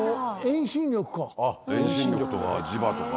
遠心力とか磁場とか。